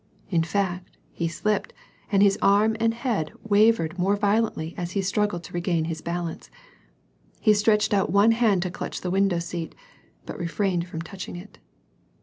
In fact, he slipped, and his arm and head wavered more violently as he struggled to regain his balance. He stretched out one hand to clutch the window seat, but refrained from touching it.